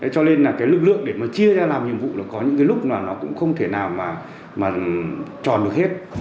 cho nên là cái lực lượng để mà chia ra làm nhiệm vụ là có những cái lúc mà nó cũng không thể nào mà tròn được hết